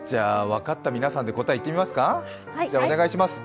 分かった皆さんで答え言っていますか？